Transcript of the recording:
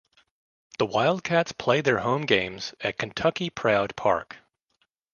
The Wildcats play their home games at Kentucky Proud Park.